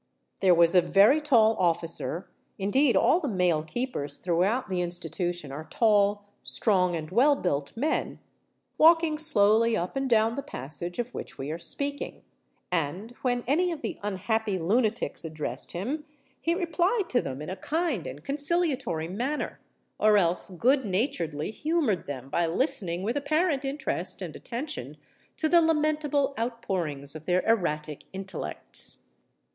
There was a very tall officer,—indeed, all the male keepers throughout the institution are tall, strong, and well built men,—walking slowly up and down the passage of which we are speaking; and when any of the unhappy lunatics addressed him, he replied to them in a kind and conciliatory manner, or else good naturedly humoured them by listening with apparent interest and attention to the lamentable outpourings of their erratic intellects.